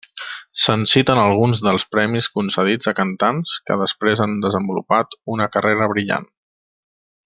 Se'n citen alguns dels premis concedits a cantants que després han desenvolupat una carrera brillant.